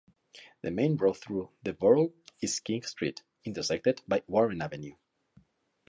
The main road through the Borough is King Street, intersected by Warren Avenue.